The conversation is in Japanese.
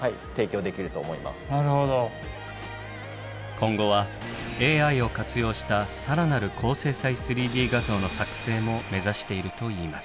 今後はＡＩを活用した更なる高精細３Ｄ画像の作成も目指しているといいます。